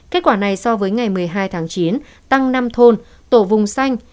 kết quả này so với ngày một mươi hai tháng chín tăng năm thôn tổ vùng xanh